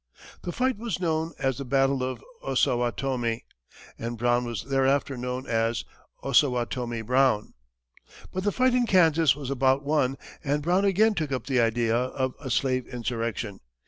The fight was known as "the battle of Osawatomie," and Brown was thereafterwards known as "Osawatomie" Brown. But the fight in Kansas was about won, and Brown again took up the idea of a slave insurrection.